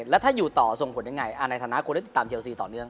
แล้วถ้าอยู่ต่อส่งผลยังไงในฐานะควรได้ติดตามเชลซีต่อเนื่อง